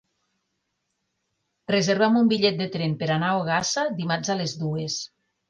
Reserva'm un bitllet de tren per anar a Ogassa dimarts a les dues.